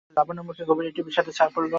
লাবণ্যর মুখে গভীর একটা বিষাদের ছায়া পড়ল।